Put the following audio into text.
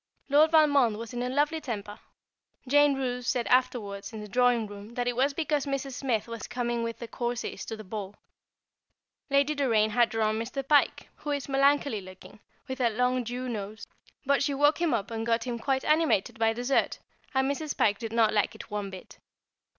Lord Valmond was in a lovely temper. Jane Roose said afterwards in the drawing room that it was because Mrs. Smith was coming with the Courceys to the ball. Lady Doraine had drawn Mr. Pike, who is melancholy looking, with a long Jew nose; but she woke him up and got him quite animated by dessert, and Mrs. Pike did not like it one bit.